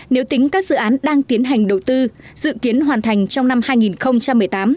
nếu tính các dự án đang tiến hành đầu tư dự kiến hoàn thành trong năm hai nghìn một mươi tám